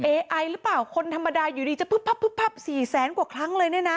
เอไอหรือเปล่าคนธรรมดาอยู่ดีจะสี่แสนกว่าครั้งเลยน่ะนะ